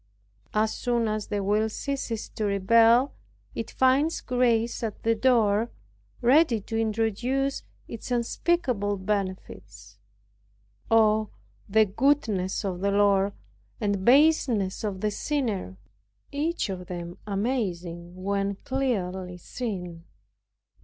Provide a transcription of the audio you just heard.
As soon as the will ceases to rebel, it finds grace at the door, ready to introduce its unspeakable benefits. O, the goodness of the Lord and baseness of the sinner, each of them amazing when clearly seen!